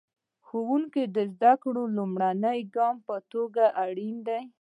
ښوونځی د زده کړو د لومړني ګام په توګه اړین دی.